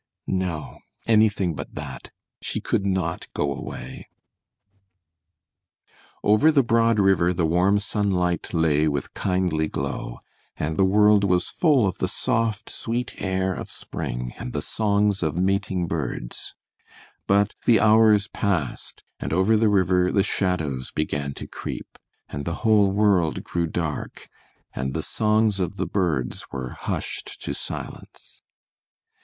No, anything but that! She could not go away. Over the broad river the warm sunlight lay with kindly glow, and the world was full of the soft, sweet air of spring, and the songs of mating birds; but the hours passed, and over the river the shadows began to creep, and the whole world grew dark, and the songs of the birds were hushed to silence.